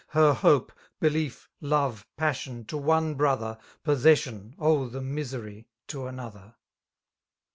Her hope, bdief, love, passion, to one brother. Possession (oh^ the misery!) to another